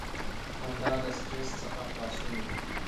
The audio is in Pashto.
• خندا له سټریس څخه خلاصون دی.